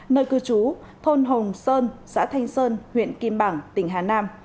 nơi cư trú thôn hồng sơn xã thanh sơn huyện kim bảng tỉnh hà nam